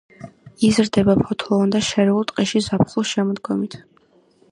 იზრდება ფოთლოვან და შერეულ ტყეში ზაფხულ-შემოდგომით.